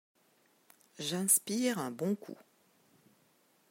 J’inspire un bon coup.